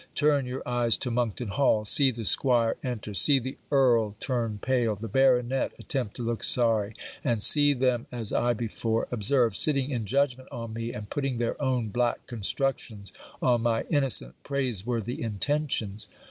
Turn your eyes to Monkton Hall. See the squire enter See the earl turn pale; the baronet attempt to look sorry; and see them, as I before observed, sitting in judgment on me, and putting their own black constructions on my innocent praise worthy intentions.